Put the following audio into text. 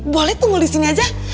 boleh tunggu disini aja